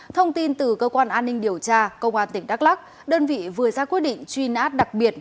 thông tin từ cơ quan an ninh điều tra công an tỉnh đắk lắc đơn vị vừa ra quyết định truy nã đặc biệt